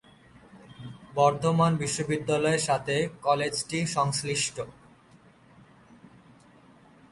বর্ধমান বিশ্ববিদ্যালয়ের সাথে কলেজটি সংশ্লিষ্ট।